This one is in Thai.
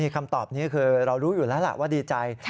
คำตอบนี้คือเรารู้อยู่แล้วล่ะว่าดีใจ